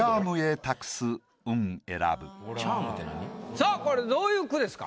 さぁこれどういう句ですか？